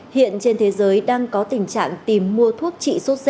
hiện trên thế giới đang có tình trạng tìm mua thuốc trị sốt z